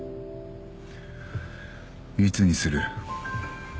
いつにする？